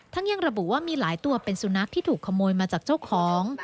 ยังระบุว่ามีหลายตัวเป็นสุนัขที่ถูกขโมยมาจากเจ้าของ